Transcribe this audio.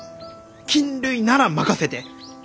菌類なら任せて！